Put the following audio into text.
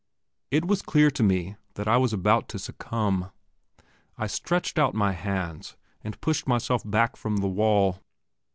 It was clear to me that I was about to succumb. I stretched out my hands, and pushed myself back from the wall.